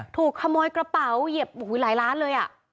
ถูกขโมยกระเป๋าเหยียบหลายล้านเลยอ่ะ